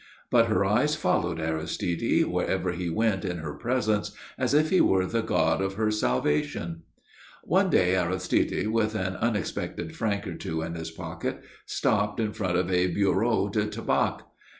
But her eyes followed Aristide, wherever he went in her presence, as if he were the god of her salvation. One day Aristide, with an unexpected franc or two in his pocket, stopped in front of a bureau de tabac.